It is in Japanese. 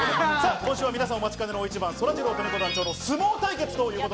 今週は皆様お待ちかねの大一番、そらジローとねこ団長の相撲対決です。